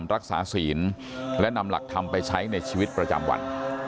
รักษาศีลและนำหลักธรรมไปใช้ในชีวิตประจำวัน